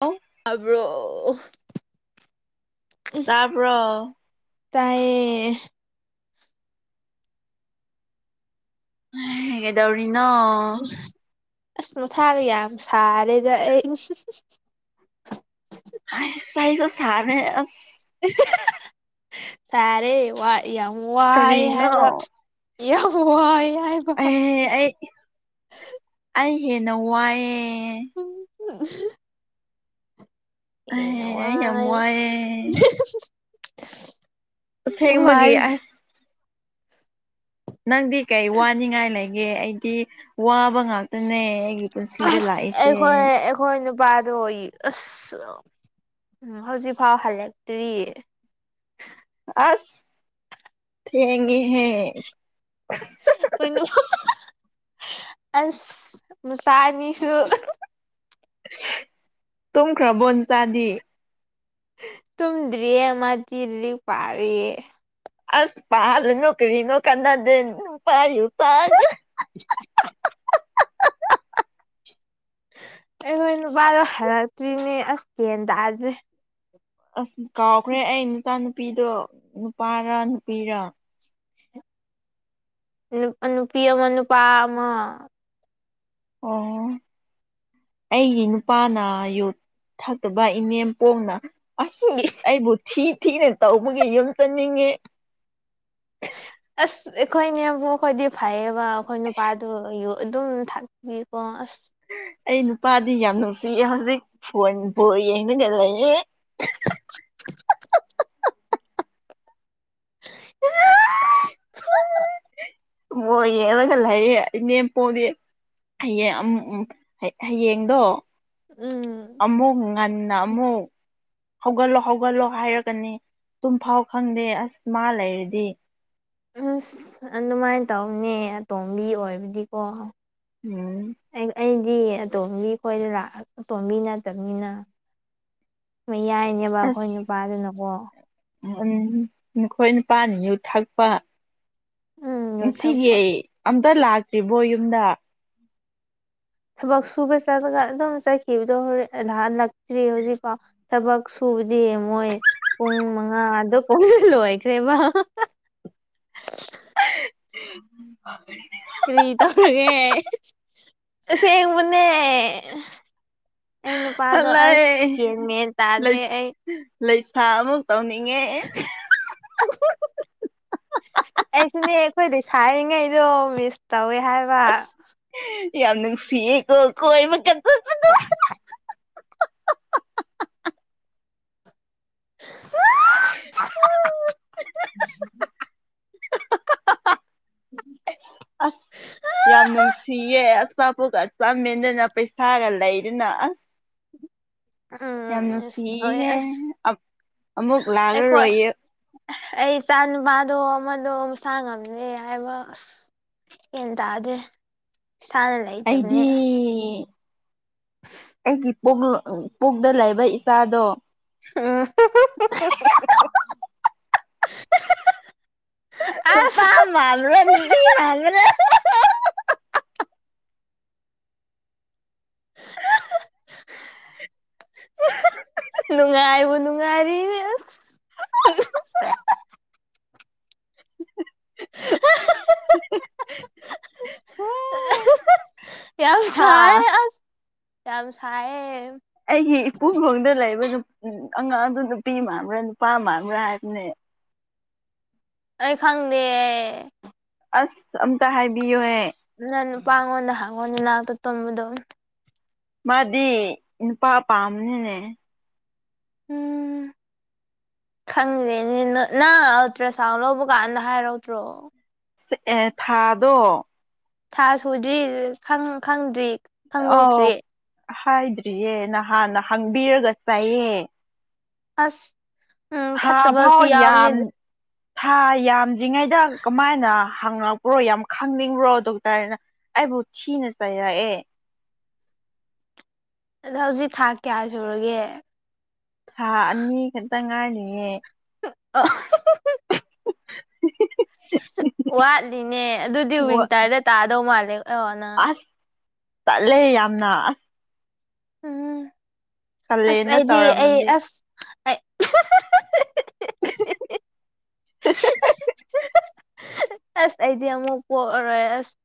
ꯑꯧ ꯇꯥꯕ꯭ꯔꯣ ꯎꯝ ꯇꯥꯕ꯭ꯔꯣ ꯇꯥꯏꯌꯦ ꯍꯦ ꯀꯦꯗꯧꯔꯤꯅꯣ ꯑꯁ ꯃꯊꯥꯒ ꯌꯥꯝ ꯁꯥꯔꯦꯗ ꯑꯩ ꯑꯁ ꯁꯥꯏꯁꯨ ꯁꯔꯦ ꯑꯁ ꯇꯥꯔꯦ ꯋꯥꯠ ꯌꯥꯝ ꯋꯥꯏꯌꯦ ꯀꯔꯤꯅꯣ ꯍꯥꯏꯕ ꯌꯥꯝ ꯋꯥꯌꯦ ꯑꯦꯍꯦ ꯑꯩ ꯑꯩ ꯍꯦꯟꯅ ꯋꯥꯏꯌꯦ ꯎꯝ ꯑꯍꯦ ꯑꯦ ꯍꯦꯟꯅ ꯑꯩ ꯌꯥꯝ ꯋꯥꯏ ꯋꯥꯏꯑꯦ ꯑꯁꯦꯡꯕꯒꯤ ꯋꯥꯔꯤ ꯑꯁ ꯅꯪꯗꯤ ꯀꯩ ꯋꯥꯅꯤꯡꯉꯥꯏ ꯂꯩꯒꯦ ꯑꯩꯗꯤ ꯋꯥꯕ ꯉꯥꯛꯇꯅꯦ ꯑꯩꯒꯤ ꯄꯨꯟꯁꯤꯗ ꯂꯥꯛꯏꯁꯦ ꯅꯄꯥꯗꯣ ꯑꯩꯒꯤ ꯑꯁ ꯑꯗꯨꯝ ꯎꯝ ꯍꯧꯖꯤꯛ ꯐꯥꯎ ꯍꯜꯂꯛꯇ꯭ꯔꯤ ꯑꯁ ꯊꯦꯡꯉꯦ ꯍꯦ ꯀꯩꯅ ꯍꯥꯍꯥꯍꯥ ꯑꯁ ꯅꯆꯥ ꯑꯅꯤꯁꯨ ꯇꯨꯝꯈ꯭ꯔꯕꯣ ꯅꯆꯥꯗꯤ ꯇꯝꯗ꯭ꯔꯤꯌꯦ ꯃꯥꯗꯤ ꯂꯤꯔꯤꯛ ꯄꯥꯔꯤꯌꯦ ꯑꯁ ꯄꯥꯔꯨꯅꯨ ꯀꯔꯤꯅꯣ ꯀꯥꯟꯅꯗꯦ ꯅꯨꯄꯥ ꯌꯨ ꯊꯛꯑꯒ [unintelligible] ꯑꯩꯈꯣꯏ ꯅꯨꯄꯥꯗꯣ ꯍꯥꯂꯛꯇ꯭ꯔꯤꯅꯦ ꯑꯁ ꯒ꯭ꯌꯥꯟ ꯇꯥꯗ꯭ꯔꯦ ꯑꯁ ꯀꯥꯎꯈ꯭ꯔꯦ ꯑꯩ ꯅꯆꯥ ꯅꯨꯨꯄꯤꯗꯣ ꯅꯨꯄꯥꯔ ꯅꯨꯄꯤꯔ ꯑꯅ ꯑ ꯅꯨ ꯅꯨꯨꯄꯤ ꯑꯃ ꯅꯨꯄꯥ ꯑꯃ ꯑꯣ ꯑꯩꯒꯤ ꯅꯨꯄꯥꯅ ꯌꯨ ꯊꯛꯇꯕ ꯏꯅꯦꯝꯄꯣꯛꯅ ꯑꯁ ꯑꯩꯕꯨ ꯊꯤ ꯊꯤꯅ ꯇꯧꯕꯒꯤ ꯌꯨꯝ ꯆꯠꯅꯤꯡꯉꯦ ꯑꯁ ꯑꯩꯈꯣꯏꯅꯦꯝꯕꯛ ꯈꯣꯏꯗꯤ ꯐꯩꯌꯦꯕ ꯑꯩꯈꯣꯏ ꯅꯨꯄꯥꯗꯨ ꯌꯨ ꯑꯗꯨꯝ ꯊꯥꯛꯄꯤꯕ ꯑꯁ ꯑꯩ ꯅꯨꯄꯥꯗꯤ ꯌꯥꯝ ꯅꯨꯡꯁꯤꯌꯦ ꯍꯧꯖꯤꯛ ꯐꯣꯟ ꯕꯣꯟ ꯌꯦꯡꯂꯒ ꯂꯩꯌꯦ ꯍ ꯌꯥ ꯑ ꯕꯣꯜ ꯌꯦꯡꯔꯒ ꯂꯩꯌꯦ ꯏꯅꯦꯝꯄꯣꯛꯗꯤ ꯍꯌꯦꯡ ꯑꯃꯨ ꯎꯝ ꯍ ꯍꯌꯦꯡꯗꯣ ꯎꯝ ꯑꯃꯨꯛ ꯉꯟꯅ ꯑꯃꯨꯛ ꯍꯧꯒꯠꯂꯣ ꯍꯧꯒꯠꯂꯣ ꯍꯥꯏꯔꯛꯀꯅꯤ ꯇꯨꯝ ꯐꯥꯎ ꯈꯪꯗꯦ ꯑꯁ ꯃꯥ ꯂꯩꯔꯗꯤ ꯑꯁ ꯑꯗꯨꯃꯥꯏꯅ ꯇꯧꯕꯅꯦ ꯑꯇꯣꯝꯕꯤ ꯑꯣꯏꯕꯗꯤꯀꯣ ꯎꯝ ꯗꯤ ꯑꯇꯣꯝꯕꯤ ꯈꯣꯏꯗꯣ ꯂꯥꯛꯑ ꯑꯇꯣꯝꯕꯤ ꯅꯠꯇꯕꯅꯤꯅ ꯃꯌꯥꯏꯅꯦꯕ ꯑꯩꯈꯣꯏ ꯑꯁ ꯅꯨꯄꯥꯗꯨꯅꯀꯣ ꯎꯝ ꯅꯈꯣꯏ ꯅꯨꯄꯥꯅ ꯌꯨ ꯊꯛꯄ ꯎꯝ ꯌꯨ ꯉꯁꯤꯒꯤ ꯊꯛꯄ ꯑꯝꯇ ꯂꯥꯛꯇ꯭ꯔꯤꯕꯣ ꯌꯨꯝꯗ ꯊꯕꯛ ꯁꯨꯕ ꯆꯠꯂꯒ ꯑꯗꯨꯝ ꯆꯠꯈꯤꯕꯗꯣ ꯍꯣꯔꯦꯟ ꯍꯜꯂꯛꯇ꯭ꯔꯤ ꯍꯧꯖꯤꯛꯐꯥꯎ ꯊꯕꯛ ꯁꯨꯕꯗꯤ ꯝꯣꯏ ꯄꯨꯡ ꯃꯉꯥꯗꯣ ꯀꯣꯟꯅ ꯂꯣꯏꯈ꯭ꯔꯦꯕ [unintelligible] ꯀꯔꯤ ꯇꯧꯔꯒꯦ ꯑꯁꯦꯡꯕꯅꯦ ꯑꯩ ꯅꯨꯄꯥꯗꯣ ꯂꯩ ꯑꯁ ꯒꯦꯟ ꯃꯦꯟ ꯇꯥꯗ꯭ꯔꯦ ꯑꯩ ꯂꯩꯁꯥ ꯑꯃꯨꯛ ꯇꯧꯅꯤꯡꯉꯦ ꯑꯩꯁꯨꯅꯦ ꯑꯩꯈꯣꯏꯗꯁꯨ ꯍꯥꯏꯔꯤꯉꯩꯗꯣ ꯃꯤꯁ ꯇꯧꯋꯦ ꯍꯥꯏꯕ ꯑꯁ ꯌꯥꯝ ꯅꯨꯡꯁꯤꯌꯦꯀꯣ ꯀꯣꯏꯕꯒ ꯆꯠꯄꯗꯣ ꯍꯥꯍꯥꯍꯥ ꯍꯥ ꯍꯥ ꯍꯥ ꯑꯁ ꯎꯝ ꯌꯥꯝ ꯅꯨꯡꯁꯤꯌꯦ ꯑꯆꯥꯄꯣꯠꯒ ꯆꯥꯃꯦꯟꯗꯅ ꯄꯩꯁꯥꯒ ꯂꯩꯗꯅ ꯑꯁ ꯎꯝ ꯌꯥꯝ ꯎꯝ ꯑꯁ ꯂꯣꯢꯔꯦ ꯅꯨꯡꯁꯤꯍꯦ ꯑꯁ ꯑꯃꯨꯛ ꯑꯩꯈꯣꯏ ꯂꯥꯛꯂꯔꯣꯏꯌꯦ ꯑꯩ ꯏꯆꯥ ꯅꯨꯨꯄꯥꯗꯣ ꯑꯃꯗꯣ ꯃꯁꯥꯥ ꯉꯝꯗꯦ ꯍꯥꯏꯕ ꯒ꯭ꯌꯦꯟ ꯇꯥꯗ꯭ꯔꯦ ꯏꯁꯥꯅ ꯑꯩꯗꯤ ꯂꯩꯇꯕꯅꯦ ꯑꯩꯒꯤ ꯄꯨ ꯄꯨꯛꯗ ꯂꯩꯕ ꯏꯆꯥꯗꯣ ꯍꯨꯝ ꯍ ꯍ ꯍꯍ ꯅꯨꯄꯥ ꯑꯁ ꯃꯥꯟꯕ꯭ꯔꯦ ꯅꯨꯄꯤ ꯃꯥꯟꯕ꯭ꯔꯦ ꯑꯍ ꯅꯨꯡꯉꯥꯏꯕ ꯅꯨꯡ ꯅꯨꯉꯥꯢꯔꯤꯅꯤ ꯑꯁ ꯌꯥꯝ ꯍꯥꯥ ꯁꯥꯏꯌꯦ ꯑꯁ ꯌꯥꯝ ꯁꯥꯏꯌꯦ ꯑꯩꯒꯤ ꯏꯄꯨꯡ ꯈꯣꯡꯗ ꯂꯩꯕ ꯗꯨꯝ ꯎꯝ ꯑꯉꯥꯡ ꯑꯗꯨ ꯅꯨꯄꯤ ꯃꯥꯟꯕ꯭ꯔꯥ ꯅꯨꯄꯥ ꯃꯥꯥꯟꯕ꯭ꯔꯥ ꯍꯥꯏꯕꯅꯦ ꯑꯩ ꯈꯪꯗꯤꯌꯦ ꯑꯁ ꯑꯝꯇ ꯍꯥꯏꯕꯤꯌꯨꯍꯦ ꯅꯪ ꯅꯨꯄꯥꯉꯣꯟꯗ ꯍꯥꯡꯉꯣꯅꯦ ꯅꯅꯥꯛꯇ ꯇꯨꯝꯕꯗꯣ ꯃꯥꯗꯤ ꯅꯨꯄꯥ ꯄꯥꯝꯕꯅꯤꯅꯦ ꯎꯝ ꯈꯪꯗ꯭ꯔꯦꯅꯦ ꯅꯪ ꯑꯜꯇ꯭ꯔ ꯁꯥꯎꯟ ꯂꯧꯕꯀꯥꯟꯗ ꯍꯥꯏꯔꯛꯇ꯭ꯔꯣ ꯑꯦ ꯊꯥꯗꯣ ꯁꯥ ꯁꯨꯗ꯭ꯔꯤ ꯈꯪ ꯈꯪꯗ꯭ꯔꯤ ꯑꯥꯎ ꯈꯪꯗꯣꯛꯇ꯭ꯔꯤ ꯍꯥꯏꯗ꯭ꯔꯤꯌꯦ ꯅꯍꯥꯟꯅ ꯍꯪꯕꯤꯔꯒ ꯆꯩꯌꯦ ꯑꯁ ꯎꯝ ꯊꯥ ꯐꯥꯎ ꯐꯠꯇꯕꯁꯨ ꯌꯥꯎꯕꯅꯦ ꯌꯥꯝ ꯊꯥ ꯌꯥꯝꯗ꯭ꯔꯉꯩꯗ ꯀꯃꯥꯏꯅ ꯍꯪꯉꯛꯄ꯭ꯔꯣ ꯌꯥꯝ ꯈꯪꯅꯤꯡꯕ꯭ꯔꯣ ꯗꯣꯛꯇꯔꯅ ꯑꯩꯕꯨ ꯊꯤꯅ ꯆꯩꯥꯔꯛꯑꯦ ꯑꯗꯣ ꯍꯧꯖꯤꯛ ꯊꯥ ꯀꯌꯥ ꯁꯨꯔꯒꯦ ꯊꯥ ꯑꯅꯤ ꯈꯛꯇꯪ ꯉꯥꯏꯔꯤꯌꯦ [unintelligible] [unintelligible] ꯋꯥꯠꯂꯤꯅꯦ ꯑꯗꯨꯗꯤ ꯋꯤꯟꯇꯔꯗ ꯇꯥꯗꯧ ꯃꯥꯜꯂꯦ ꯑꯣꯅ ꯀꯜꯂꯦ ꯌꯥꯝꯅ ꯎꯝ ꯑꯁ ꯀꯥꯂꯦꯟꯗ ꯑꯩꯗꯤ ꯑꯩ ꯇꯧꯔꯝꯃꯗꯤ ꯑꯁ ꯑꯩ [unintelligible] ꯑꯁ ꯑꯩꯗꯤ ꯑꯃꯨꯛ ꯄꯣꯛꯑꯔꯣꯏ ꯑꯁ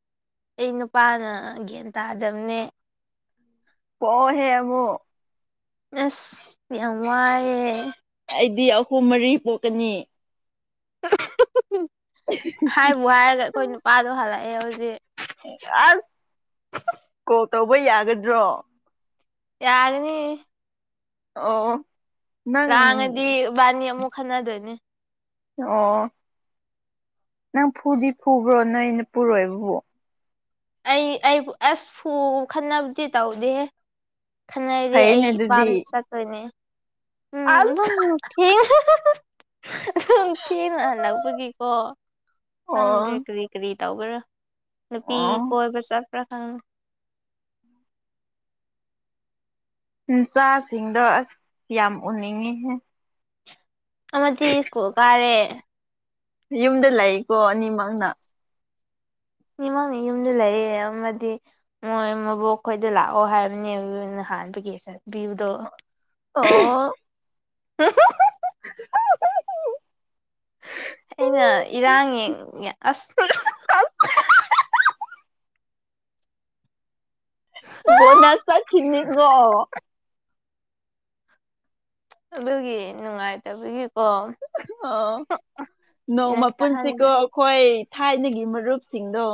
ꯑꯩ ꯅꯨꯄꯥꯅ ꯒ꯭ꯌꯥꯟ ꯇꯥꯗꯕꯅꯦ ꯄꯣꯛꯑꯣꯍꯦ ꯑꯃꯨꯛ ꯑꯁ ꯌꯥꯝ ꯋꯥꯏꯌꯦ ꯑꯩꯗꯤ ꯑꯍꯨꯝ ꯃꯔꯤ ꯄꯣꯛꯀꯅꯤ ꯍꯥꯏꯕꯨ ꯍꯥꯏꯔꯒ ꯑꯩꯈꯣꯏ ꯅꯨꯄꯥꯗꯣ ꯍꯜꯂꯛꯑꯦ ꯍꯧꯖꯤꯛ ꯑꯁ ꯀꯣꯜ ꯇꯧꯕ ꯌꯥꯒꯗ꯭ꯔꯣ ꯌꯥꯒꯅꯤ ꯑꯣ ꯅꯪ ꯂꯥꯡꯉꯗꯤ ꯕꯥꯅꯤ ꯑꯃꯨꯛ ꯈꯟꯅꯗꯣꯏꯅꯦ ꯑꯣ ꯅꯪ ꯐꯨꯗꯤ ꯐꯨꯕ꯭ꯔꯣ ꯅꯣꯏ ꯅꯄꯨꯔꯣꯏꯕꯕꯨ ꯑꯩ ꯑꯩ ꯑꯁ ꯐꯨ ꯈꯟꯅꯕꯗꯤ ꯇꯧꯗꯦꯍꯦ ꯈꯟꯅꯔꯗꯤ ꯑꯩ ꯐꯩꯅꯦ ꯑꯗꯨꯗꯤ ꯏꯄꯥꯝꯗ ꯆꯠꯇꯣꯏꯅꯦ ꯎꯝ ꯗꯨꯝ ꯑꯁ [unintelligible] ꯊꯦꯡꯅ ꯍꯜꯂꯛꯄꯒꯤꯀꯣ ꯈꯪꯗ꯭ꯔꯦ ꯑꯣ ꯀꯔꯤ ꯀꯔꯤ ꯇꯧꯒꯦꯔꯥ ꯅꯨꯄꯤ ꯑꯣ ꯀꯣꯏꯕ ꯆꯄ꯭ꯔ ꯈꯪ ꯏꯆꯥꯁꯤꯡꯗꯣ ꯑꯁ ꯌꯥꯝ ꯎꯅꯤꯡꯉꯤꯍꯦ ꯑꯃꯗꯤ ꯁ꯭ꯀꯨꯜ ꯀꯥꯔꯦ ꯌꯨꯝꯗ ꯂꯩꯀꯣ ꯑꯅꯤꯃꯛꯅ ꯑꯅꯤꯃꯛꯅ ꯌꯨꯝꯗ ꯂꯩꯌꯦ ꯑꯃꯗꯤ ꯃꯣꯏ ꯃꯕꯣꯛ ꯈꯣꯏꯗ ꯂꯥꯛꯑꯣ ꯍꯥꯏꯕꯅꯦꯕꯅ ꯍꯥꯏꯕꯒꯤ ꯑꯣ [unintelligible] [unintelligible] ꯑꯩꯅ ꯏꯔꯥꯡ ꯌꯦꯡꯅꯤꯡꯉꯦ ꯑꯁ ꯕꯣꯅꯁ ꯆꯠꯈꯤꯅꯤꯀꯣ ꯑꯗꯨꯒꯤ ꯅꯨꯡꯉꯥꯏꯇꯕꯒꯤ ꯑꯣ ꯅꯣꯡꯃ ꯅꯪ ꯄꯨꯟꯁꯤꯀꯣ ꯆꯥꯍꯟꯗ꯭ꯔꯦ ꯑꯩꯈꯣꯏ ꯊꯥꯏꯅꯒꯤ ꯃꯔꯨꯞꯁꯤꯡꯗꯣ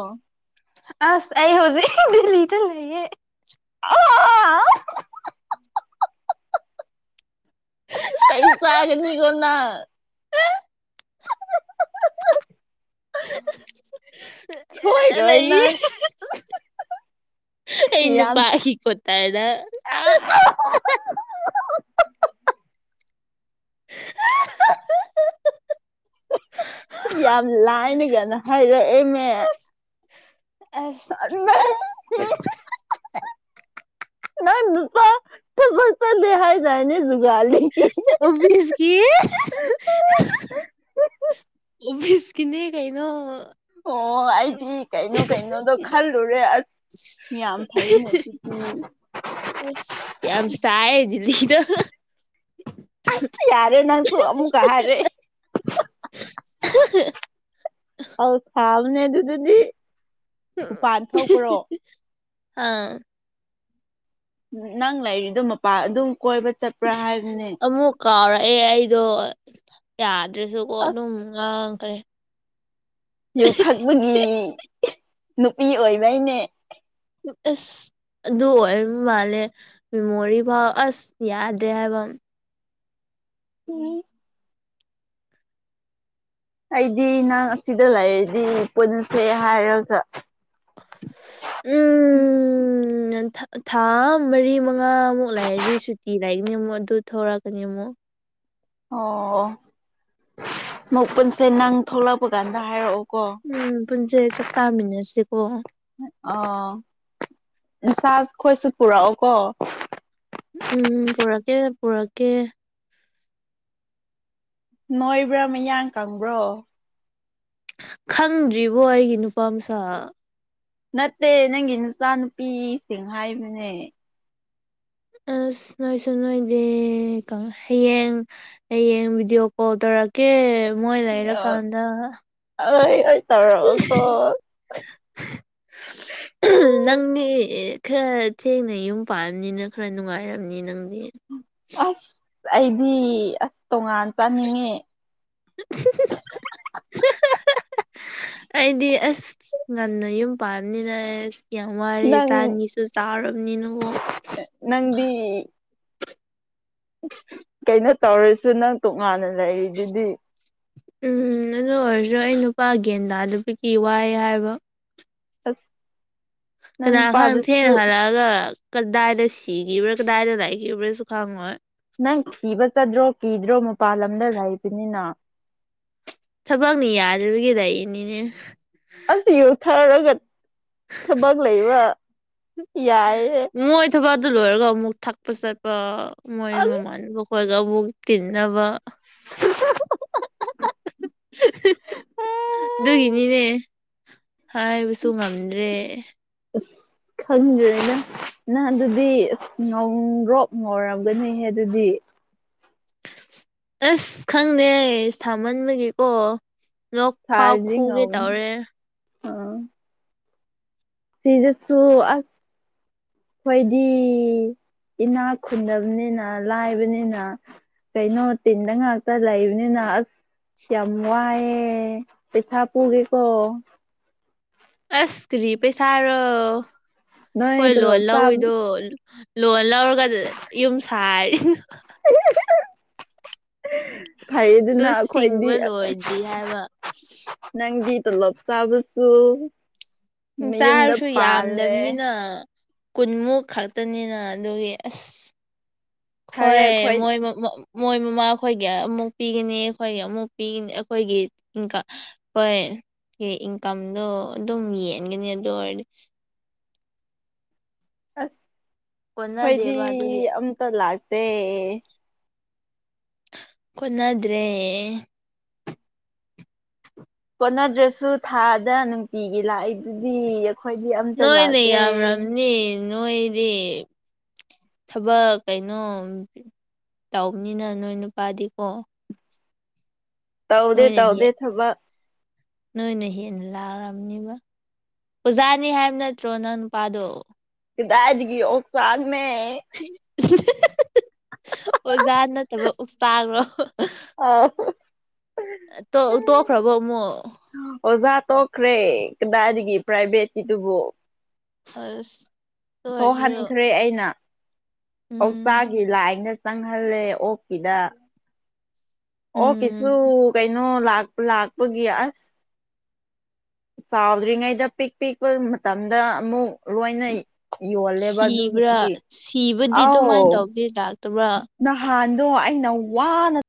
ꯑꯁ ꯑꯩ ꯍꯧꯖꯤꯛ ꯗꯤꯂꯤ ꯗ ꯂꯩꯌꯦ ꯑꯥ ꯆꯩ ꯆꯥꯒꯅꯤꯀꯣ ꯅꯪ ꯁꯣꯏꯔꯣꯏ ꯂꯩ ꯅꯪ ꯑꯩ ꯌꯥꯝ ꯅꯨꯄꯥꯒꯤ ꯀ꯭ꯋꯥꯇꯔꯗ ꯌꯥꯝ ꯂꯥꯏꯅꯒꯅ ꯍꯥꯏꯔꯛꯑꯦꯃꯦ ꯑꯁ ꯅꯪ ꯅꯪ ꯅꯨꯄꯥ ꯊꯕꯛ ꯇꯧꯗꯦ ꯍꯥꯏꯗꯥꯏꯅꯦ ꯖꯨꯒꯥꯂꯤ ꯑꯣꯄꯤꯁꯀꯤ ꯑꯣꯐꯤꯁꯀꯤꯅꯤ ꯀꯩꯅꯣ ꯑꯣ ꯑꯩꯗꯤ ꯀꯩꯅꯣ ꯀꯩꯅꯣꯗꯣ ꯈꯜꯂꯨꯔꯦ ꯑꯁ ꯌꯥꯝ ꯐꯩꯅꯦ ꯑꯗꯨꯗꯤ ꯌꯥꯝ ꯁꯥꯏꯌꯦ ꯗꯤꯂꯤꯗ ꯑꯁ ꯌꯥꯔꯦ ꯅꯪꯁꯨ ꯑꯃꯨꯛꯀ ꯍꯥꯏꯔꯛꯑꯦ ꯑꯧ ꯁꯥꯕꯅꯦ ꯑꯗꯨꯗꯗꯤ ꯃꯄꯥꯟ ꯊꯣꯛꯄ꯭ꯔꯣ ꯑꯥ ꯅꯪ ꯂꯩꯔꯤꯗꯣ ꯃꯄꯥꯥꯟ ꯑꯗꯨꯝ ꯀꯣꯏꯕ ꯆꯠꯄ꯭ꯔꯥ ꯍꯥꯏꯕꯅꯦ ꯑꯃꯨꯛ ꯀꯥꯎꯔꯛꯑꯦ ꯑꯩꯗꯣ ꯌꯥꯗ꯭ꯔꯁꯨꯀꯣ ꯑꯗꯨꯝ ꯑꯁ ꯉꯥꯡꯈ꯭ꯔꯦ ꯌꯨ ꯊꯛꯄꯒꯤ ꯅꯨꯄꯤ ꯑꯣꯏꯕꯩꯅꯦ ꯑꯁ ꯑꯗꯨ ꯑꯣꯏꯕ ꯃꯥꯜꯂꯦ ꯃꯦꯃꯣꯔꯤ ꯐꯥꯎ ꯑꯁ ꯌꯥꯗ꯭ꯔꯦ ꯍꯥꯏꯕ ꯎꯝ ꯑꯩꯗꯤ ꯅꯪ ꯑꯁꯤꯗ ꯂꯩꯔꯗꯤ ꯄꯨꯟꯁꯦ ꯍꯥꯏꯔꯒ ꯎꯝ ꯊꯥ ꯃꯔꯤ ꯃꯉꯥꯃꯨꯛ ꯂꯩꯔꯗꯤ ꯁꯨꯇꯤ ꯂꯒꯅꯤ ꯑꯃꯨꯛ ꯑꯗꯨ ꯊꯧꯔꯛꯀꯅꯤ ꯑꯃꯨꯛ ꯑꯣ ꯃꯨꯛ ꯄꯨꯟꯁꯦ ꯅꯪ ꯊꯣꯛꯂꯛꯄ ꯀꯥꯟꯗ ꯍꯥꯏꯔꯛꯑꯣ ꯎꯝ ꯄꯨꯟꯁꯦ ꯆꯥꯛꯆꯥꯃꯤꯟꯅꯁꯤꯀꯣ ꯑꯥ ꯏꯆꯥꯈꯣꯏꯁꯨ ꯄꯨꯔꯛꯑꯣꯀꯣ ꯎꯝ ꯄꯣꯔꯛꯀꯦ ꯄꯣꯔꯛꯀꯦ ꯅꯣꯏꯕ꯭ꯔꯥ ꯃꯌꯥꯡ ꯀꯪꯕ꯭ꯔꯣ ꯈꯪꯗ꯭ꯔꯤꯕꯣ ꯑꯩꯒꯤ ꯅꯨꯄꯥ ꯃꯁꯛ ꯅꯠꯇꯦ ꯅꯪꯒꯤ ꯅꯆꯥ ꯅꯨꯨꯄꯤꯁꯤꯡ ꯍꯥꯏꯕꯅꯦ ꯑꯁ ꯅꯣꯏꯁꯨ ꯅꯣꯏꯗꯦ ꯍꯌꯦꯡ ꯍꯌꯦꯡ ꯚꯤꯗꯤꯑꯣ ꯀꯣꯜ ꯇꯧꯔ ꯇꯧꯔꯛꯀꯦ ꯃꯣꯏ ꯑꯩ ꯂꯩꯔꯀꯥꯟꯗ ꯑꯩ ꯇꯧꯔꯛꯑꯣꯀꯣ ꯅꯪꯗꯤ ꯈꯔ ꯊꯦꯡꯅ ꯌꯨꯝ ꯄꯥꯠꯕꯅꯤꯅ ꯈꯔ ꯅꯨꯡꯉꯥꯏꯔꯝꯅꯤ ꯅꯪꯗꯤ ꯑꯁ ꯑꯩꯗꯤ ꯑꯁ ꯇꯣꯉꯥꯟ ꯆꯥꯅꯤꯡꯉꯤ ꯑꯩꯗꯤ ꯑꯁ ꯉꯟꯅ ꯌꯨꯝ ꯄꯥꯝꯕꯅꯤꯅ ꯌꯥꯝ ꯋꯥꯔꯦ ꯅꯪ ꯆꯥꯅꯤꯁꯨ ꯆꯥꯎꯔꯕꯅꯤꯅ ꯅꯪꯗꯤ ꯀꯩꯅꯣ ꯇꯧꯔꯁꯨ ꯅꯪ ꯇꯣꯉꯥꯟꯅ ꯂꯩꯔꯤꯗꯨꯗꯤ ꯎꯝ ꯑꯗꯨ ꯑꯣꯏꯔꯁꯨ ꯑꯩ ꯅꯨꯄꯥ ꯒ꯭ꯌꯥꯟ ꯇꯥꯗꯕꯒꯤ ꯋꯥꯏ ꯍꯥꯏꯕ [inaudible] ꯅꯪ ꯀꯅꯥ ꯈꯪ ꯊꯦꯡꯅ ꯅꯨꯄꯥꯗꯨꯁꯨ ꯍꯜꯂꯛꯑꯒ ꯀꯗꯥꯏꯗ ꯁꯤꯈꯤꯕ꯭ꯔꯥ ꯀꯗꯥꯏꯗ ꯂꯥꯏꯈꯤꯕ꯭ꯔꯥꯁꯨ ꯈꯪꯉꯣꯏ ꯅꯪ ꯊꯤꯕ ꯆꯗ꯭ꯔꯣ ꯀꯤꯗ꯭ꯔꯣ ꯃꯄꯥꯥꯟ ꯂꯝꯗ ꯂꯩꯕꯅꯤꯅ ꯊꯕꯛꯅ ꯌꯥꯗꯕꯒꯤ ꯂꯩꯔꯤꯅꯤꯅꯦ ꯑꯁ ꯌꯨ ꯊꯛꯔꯒ ꯊꯕꯛ ꯂꯩꯕ ꯌꯥꯏꯌꯦ ꯃꯣꯏ ꯊꯕꯛ ꯑꯗꯨ ꯂꯣꯏꯔꯒ ꯑꯃꯨꯛ ꯊꯛꯄ ꯆꯠꯄ ꯃꯣꯏ ꯑꯁ ꯃꯃꯥꯟꯅꯕ ꯈꯣꯏꯒꯃꯨꯛ ꯇꯤꯟꯅꯕ ꯗꯨꯒꯤꯅꯤꯅꯦ ꯍꯥꯏꯕꯁꯨ ꯉꯝꯗ꯭ꯔꯦ ꯈꯪꯗ꯭ꯔꯦꯗ ꯅꯪ ꯑꯗꯨꯗꯤ ꯑꯗꯨꯗꯤ ꯉꯧꯔꯣꯛ ꯉꯧꯔꯝꯒꯅꯤ ꯍꯦ ꯑꯗꯨꯗꯤ ꯑꯁ ꯈꯪꯗꯦ ꯁꯥꯃꯟꯕꯒꯤꯀꯣ ꯂꯣꯛ ꯐꯥꯎ ꯁꯥꯔꯗꯤ ꯈꯨꯒꯦ ꯉꯧꯅꯤ ꯇꯧꯔꯦ ꯑꯥ ꯁꯤꯗꯁꯨ ꯑꯁ ꯑꯈꯣꯏꯗꯤ ꯏꯅꯥꯛ ꯈꯨꯟꯗꯕꯅꯤꯅ ꯂꯥꯏꯕꯅꯤꯅ ꯀꯩꯅꯣ ꯇꯤꯟꯗ ꯉꯥꯛꯇ ꯂꯩꯕꯅꯤꯅ ꯑꯁ ꯌꯥꯝꯋꯥꯏꯌꯦ ꯄꯦꯁꯥ ꯄꯨꯒꯦꯀꯣ ꯑꯁ ꯀꯔꯤ ꯄꯩꯁꯥꯔꯣ ꯅꯣꯏ ꯍꯣꯏ ꯂꯣꯟ ꯇꯣꯂꯣꯞ ꯆꯥꯕ ꯂꯧꯏꯗꯣ ꯂꯧꯔꯒ ꯑꯗꯨ ꯌꯨꯝ ꯁꯥꯔꯤꯅ ꯑꯗꯨ ꯐꯩꯗꯅ ꯑꯩꯈꯣꯏꯗꯤ ꯁꯤꯡꯕ ꯂꯣꯏꯗ꯭ꯔꯤ ꯍꯥꯏꯕ ꯅꯪꯗꯤ ꯇꯣꯂꯣꯞ ꯆꯥꯕꯁꯨ ꯃꯌꯨꯝꯗ ꯆꯥꯔꯁꯨ ꯄꯥꯜꯂꯦ ꯌꯥꯝꯗꯕꯅꯤꯅ ꯀꯨꯟꯃꯨꯛ ꯈꯛꯇꯅꯤꯅ ꯑꯗꯨꯒꯤ ꯑꯁ ꯐꯔꯦ ꯈꯣꯏ ꯑꯩꯈꯣꯏ ꯃꯣꯏ ꯃꯣꯏ ꯃꯣꯏ ꯃꯃꯥ ꯈꯣꯏꯒꯤ ꯑꯃꯨꯛ ꯄꯤꯒꯅꯤ ꯑꯈꯣꯏꯒꯤ ꯑꯃꯨꯛ ꯄꯤꯒꯅꯤ ꯑꯈꯣꯏꯒꯤ ꯑꯃꯨꯛ ꯍꯣꯏ ꯑꯦ ꯏꯟꯀꯝꯗꯣ ꯑꯗꯨꯝ ꯌꯦꯟꯒꯅꯤ ꯑꯗꯨ ꯑꯣꯏꯔꯗꯤ ꯑꯁ ꯑꯈꯣꯏꯗꯤ ꯀꯣꯟꯅꯗꯦꯕ ꯑꯗꯨꯒꯤ ꯑꯝꯇ ꯂꯥꯛꯇꯦ ꯀꯣꯟꯅꯥꯗ꯭ꯔꯦ ꯀꯣꯠꯅꯗ꯭ꯔꯁꯨ ꯊꯥꯗ ꯅꯨꯡꯇꯤꯒꯤ ꯂꯥꯛꯏꯗꯨꯗꯤ ꯑꯩꯈꯣꯏꯗꯤ ꯑꯝꯇ ꯅꯣꯏꯅꯦ ꯂꯥꯛꯇꯦ ꯌꯥꯝꯔꯝꯅꯤ ꯅꯣꯏꯗꯤ ꯊꯕꯛ ꯀꯩꯅꯣ ꯇꯧꯕꯅꯤꯅ ꯅꯣꯏ ꯅꯨꯄꯥꯗꯤꯀꯣ ꯇꯧꯗꯦ ꯅꯣꯏꯅ ꯍꯦ ꯇꯧꯗꯦ ꯊꯕꯛ ꯅꯣꯏꯅ ꯍꯦꯟꯅ ꯂꯥꯛꯔꯝꯅꯤꯕ ꯑꯣꯖꯥꯅꯤ ꯍꯥꯏꯕ ꯅꯠꯇ꯭ꯔꯣ ꯅꯪ ꯅꯨꯄꯥꯗꯣ ꯀꯗꯥꯏꯘꯒꯤ ꯑꯣꯛꯆꯥꯛꯅꯦ ꯑꯣꯖꯥ ꯅꯠꯇꯕ ꯑꯣꯛꯁꯇꯔꯣ ꯑꯧ ꯇꯣꯛ ꯇꯣꯛꯈ꯭ꯔꯕꯣ ꯑꯃꯨꯛ ꯑꯣꯖꯥ ꯇꯣꯛꯈ꯭ꯔꯦ ꯀꯗꯥꯏꯗꯒꯤ ꯄ꯭ꯔꯥꯏꯚꯦꯠꯀꯤꯗꯨꯕꯨ ꯑꯁ ꯑꯗꯨ ꯑꯣꯏꯔꯁꯨ ꯊꯣꯛꯍꯟꯈ꯭ꯔꯦ ꯑꯩꯅ ꯎꯝ ꯄꯧꯁꯒꯤ ꯂꯥꯏꯟ ꯆꯪꯍꯜꯂꯦ ꯑꯣꯛꯀꯤꯗ ꯑꯣ ꯀꯤꯁꯨ ꯎꯝ ꯀꯩꯅꯣ ꯂꯥꯛ ꯂꯥꯛꯄꯒꯤ ꯑꯁ ꯆꯥꯎꯗ꯭ꯔꯤꯉꯩꯗ ꯄꯤꯛ ꯄꯤꯛꯄ ꯃꯇꯝꯗ ꯑꯃꯨꯛ ꯂꯣꯏꯅ ꯌꯣꯜꯂꯦꯕ ꯁꯤꯕ꯭ꯔꯥ ꯑꯗꯨꯒꯤ ꯁꯤꯕꯗꯤ ꯑꯥꯎ ꯑꯗꯨꯃꯥꯏꯅ ꯇꯧꯕꯗꯤ ꯂꯥꯛꯇꯕ꯭ꯔꯥ ꯅꯍ ꯅꯍꯥꯟꯗꯣ ꯑꯩꯅ ꯋꯥꯅ